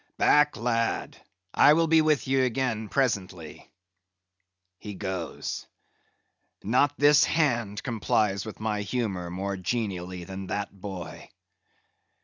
_ "Back, lad; I will be with ye again presently. He goes! Not this hand complies with my humor more genially than that boy.